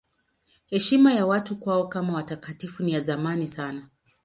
Heshima ya watu kwao kama watakatifu ni ya zamani sana.